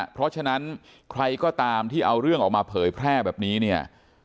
เพราะฉะนั้นใครก็ตามที่เอาเรื่องออกมาเผยแพร่แบบนี้เนี่ย